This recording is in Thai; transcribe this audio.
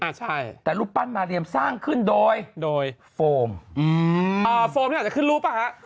ใช่แต่รูปปั้นมาเรียมสร้างขึ้นโดยโดยโฟมอืมอ่าโฟมนี่อาจจะขึ้นรูปป่ะฮะ